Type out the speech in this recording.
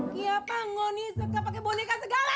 kenapa ngoni suka pakai boneka segala